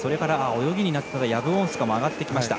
泳ぎになったらヤブウォンスカも上がってきました。